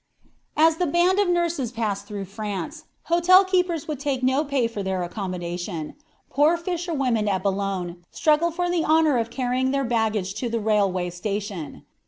As the band of nurses passed through France, hotel keepers would take no pay for their accommodation; poor fisherwomen at Boulogne struggled for the honor of carrying their baggage to the railway station.